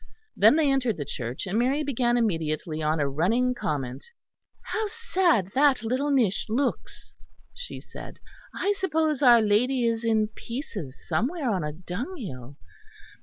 Then they entered the church; and Mary began immediately on a running comment. "How sad that little niche looks," she said. "I suppose Our Lady is in pieces somewhere on a dunghill.